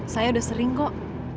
saya udah sering kok